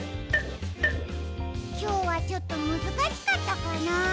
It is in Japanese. きょうはちょっとむずかしかったかなあ？